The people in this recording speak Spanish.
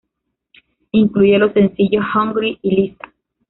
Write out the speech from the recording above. Incluye los sencillos "Hungry" y "Lisa".